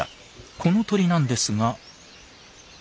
この鳥なんですが。